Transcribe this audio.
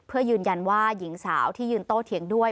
เพื่อยืนยันว่าหญิงสาวที่ยืนโตเถียงด้วย